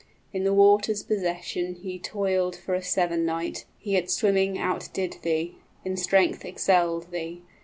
In the water's possession, Ye toiled for a seven night; he at swimming outdid thee, 20 In strength excelled thee.